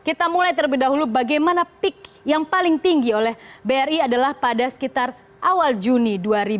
kita mulai terlebih dahulu bagaimana peak yang paling tinggi oleh bri adalah pada sekitar awal juni dua ribu dua puluh